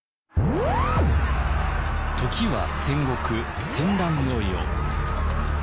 時は戦国戦乱の世。